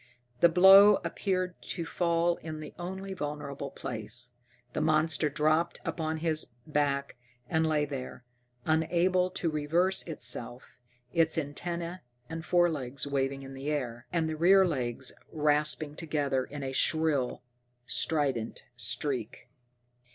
The blow appeared to fall in the only vulnerable place. The monster dropped upon its back and lay there, unable to reverse itself, its antenna and forelegs waving in the air, and the rear legs rasping together in a shrill, strident shriek.